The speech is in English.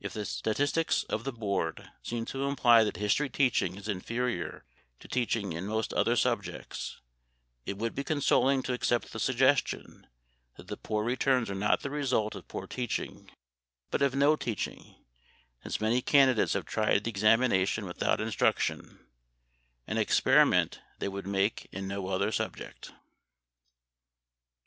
If the statistics of the Board seem to imply that history teaching is inferior to teaching in most other subjects, it would be consoling to accept the suggestion that the poor returns are not the result of poor teaching, but of no teaching, since many candidates have tried the examination without instruction, an experiment they would make in no other subject.